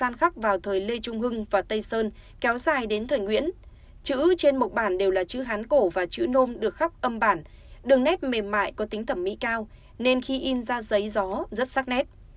gian khắc vào thời lê trung hưng và tây sơn kéo dài đến thời nguyễn chữ trên mộc bản đều là chữ hán cổ và chữ nôm được khắp âm bản đường nét mềm mại có tính thẩm mỹ cao nên khi in ra giấy gió rất sắc nét